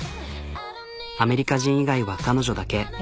アメリカ人以外は彼女だけ。